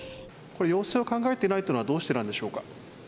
これ、要請を考えてないっていうのはどうしてなんでしょうか。